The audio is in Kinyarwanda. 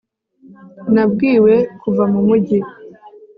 nabwiwe kuva mu mujyi